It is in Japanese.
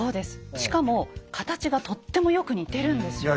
しかも形がとってもよく似てるんですよ。